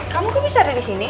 kamu kok bisa ada di sini